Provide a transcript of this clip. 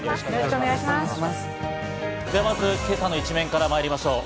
まず今朝の一面からまいりましょう。